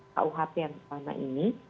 yang terhadap uhp yang pertama ini